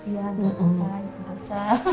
iya terima kasih